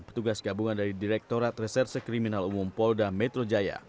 petugas gabungan dari direktorat reserse kriminal umum polda metro jaya